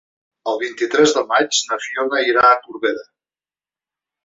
El vint-i-tres de maig na Fiona irà a Corbera.